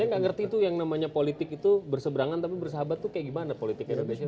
saya nggak ngerti tuh yang namanya politik itu berseberangan tapi bersahabat tuh kayak gimana politik indonesia